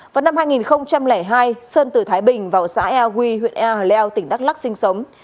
vào năm hai nghìn hai sơn từ thái bình vào xã ea huy huyện ea leo tỉnh đắk lắc sinh sống